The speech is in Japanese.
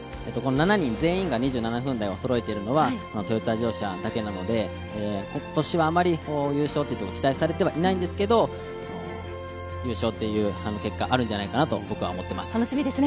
７人全員が２７分台をそろえているのはトヨタ自動車だけなので、今年はあまり優勝と期待されてはいないんですけれども、優勝という結果、あるんじゃないかと僕は思っております。